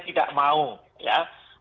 tidak mau ya